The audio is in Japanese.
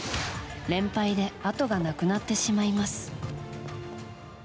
連敗であとがなくなってしまいます。